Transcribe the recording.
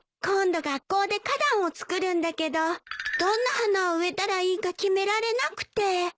今度学校で花壇を作るんだけどどんな花を植えたらいいか決められなくて。